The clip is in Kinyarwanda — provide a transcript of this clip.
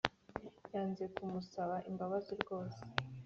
yanze kumusaba imbabazi rwose